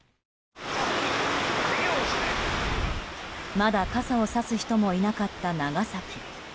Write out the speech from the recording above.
まだ傘をさす人もいなかった長崎。